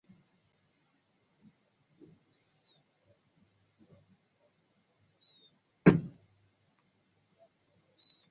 Operesheni zimesitishwa kwa sababu zilikuwa zikifanya kazi kinyume cha sheria